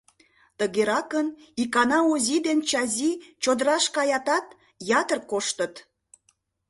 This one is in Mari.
Тыгеракын, икана Ози ден Чази чодыраш каятат, ятыр коштыт.